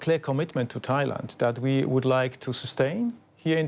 ความสัญญาติเราควรอยู่ในไทยอยู่ในไทย